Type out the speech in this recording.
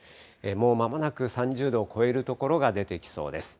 もうまもなく３０度を超える所が出てきそうです。